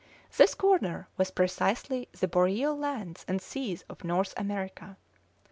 This corner was precisely the boreal lands and seas of North America.